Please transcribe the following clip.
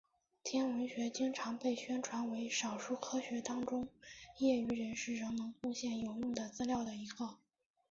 天文学经常被宣传为少数科学当中业余人士仍能贡献有用的资料的一个。